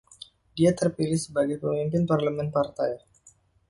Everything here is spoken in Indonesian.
Dia terpilih sebagai pemimpin parlemen partai.